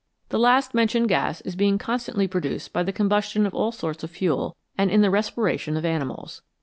The last mentioned gas is being constantly produced by the com bustion of all sorts of fuel, and in the respiration of animals.